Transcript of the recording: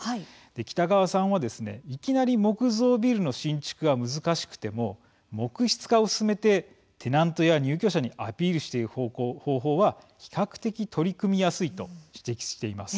北川さんは、いきなり木造ビルの新築は難しくても木質化を進めてテナントや入居者にアピールしていく方法は比較的、取り組みやすいと指摘しています。